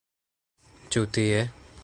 Ĉu tie?